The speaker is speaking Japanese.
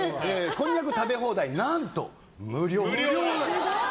こんにゃく食べ放題何と無料！